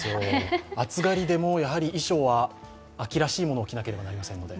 暑がりでも、衣装は秋らしいものを着なければなりませんので。